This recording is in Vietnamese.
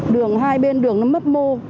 đường hai bên đường nó mất mô